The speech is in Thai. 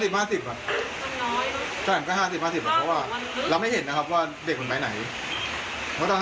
เพราะว่าเราไม่เห็นครับว่าเด็กคุณไปไหน